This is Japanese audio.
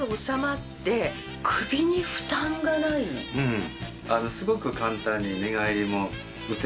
うん。